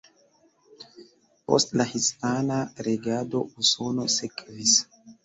Post la hispana regado Usono sekvis.